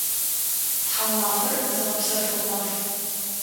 Тхьаумафэр зыгъэпсэфыгъо маф.